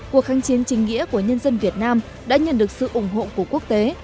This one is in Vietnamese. cuộc kháng chiến chính nghĩa của nhân dân việt nam đã nhận được sự ủng hộ của quốc tế